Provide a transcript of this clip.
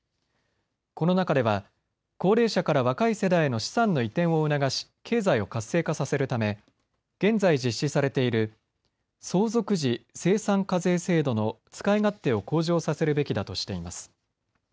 この中では高齢者から若い世代への資産の移転を促し経済を活性化させるため現在、実施されている相続時精算課税制度の使い勝手を向上させるべきだとしています。